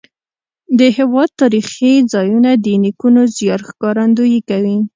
د هېواد تاریخي ځایونه د نیکونو زیار ښکارندویي کوي.